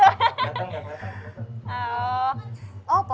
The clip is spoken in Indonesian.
gak keliatan gak keliatan